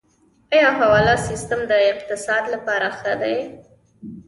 آیا حواله سیستم د اقتصاد لپاره ښه دی؟